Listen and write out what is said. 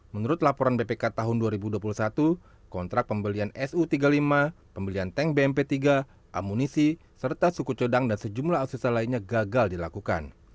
menurut laporan bpk tahun dua ribu dua puluh satu kontrak pembelian su tiga puluh lima pembelian tank bmp tiga amunisi serta suku codang dan sejumlah asusa lainnya gagal dilakukan